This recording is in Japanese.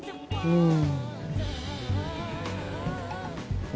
うん！